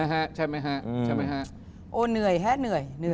โอ้เหนื่อยเนื่อย